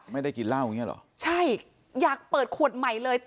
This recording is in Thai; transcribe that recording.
ไม่ได้กินเหล้าอย่างเงี้เหรอใช่อยากเปิดขวดใหม่เลย